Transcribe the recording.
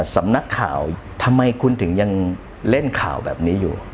สำนักข่าวทำไมคุณถึงยังเล่นข่าวแบบนี้อยู่